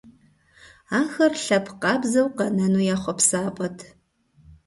Ахэр лъэпкъ къабзэу къэнэну я хъуэпсапӀэт.